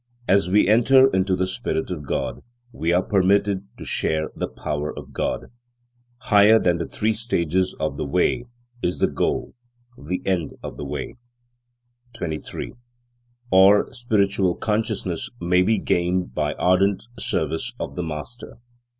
As we enter into the spirit of God, we are permitted to share the power of God. Higher than the three stages of the way is the goal, the end of the way. 23. Or spiritual consciousness may be gained by ardent service of the Master.